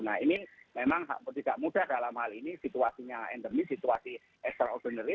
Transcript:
nah ini memang tidak mudah dalam hal ini situasinya endemis situasi extraordinary